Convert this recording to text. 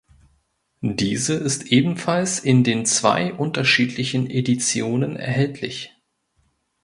Diese ist ebenfalls in den zwei unterschiedlichen Editionen erhältlich.